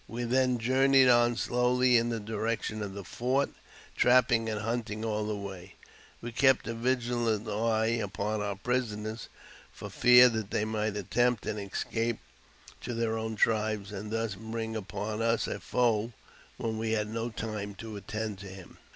We then journeyed on slowly . in the direction of the fort, trapping and hunting all the way»« We kept a vigilant eye upon our prisoners, for fear they might < attempt an escape to their own tribes, and thus bring upon us. a foe when we had no time to attend to him.